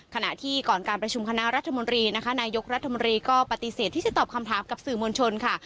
ขณะที่ก่อนการประชุมคณะรัฐมนตรีนะคะนายกรัฐมนตรีก็ปฏิเสธที่จะตอบคำถามกับสื่อมวลชนค่ะ